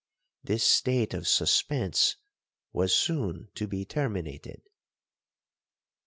This state of suspence was soon to be terminated.